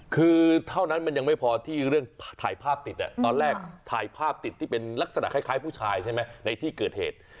คือเท่านั้นมันยังไม่พอที่เรื่องถ่ายภาพติดตอนแรกถ่ายภาพติดที่เป็นลักษณะคล้ายผู้ชายใช่ไหมในที่เกิดเหตุ